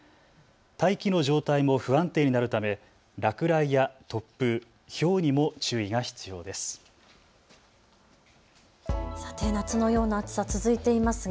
大気の状態も不安定になるため落雷や突風、ひょうにも注意が必要です。